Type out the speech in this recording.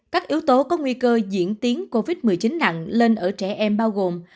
các yếu tố có nguy cơ diễn tiến covid một mươi chín nặng lên ở trẻ em bao gồm